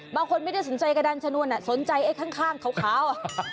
ไม่ได้สนใจกระดานชนวนสนใจไอ้ข้างขาว